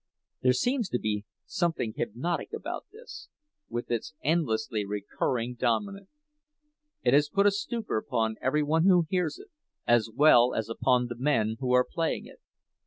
There seems to be something hypnotic about this, with its endlessly recurring dominant. It has put a stupor upon every one who hears it, as well as upon the men who are playing it.